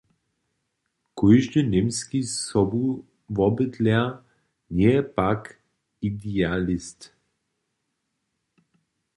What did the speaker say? Kóždy němski sobuwobydler njeje pak idealist.